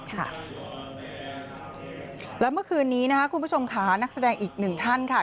แล้วเมื่อคืนนี้นะครับคุณผู้ชมค่ะนักแสดงอีกหนึ่งท่านค่ะ